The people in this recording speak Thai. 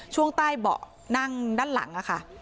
ช่วงใต้เบาะนั่งด้านหลังค่ะ